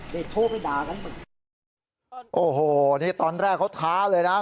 เด็กโทรไปด่ากันหมดโอ้โหนี่ตอนแรกเขาท้าเลยนะ